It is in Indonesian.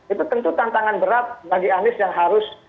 itu tentu tantangan berat bagi anies yang harus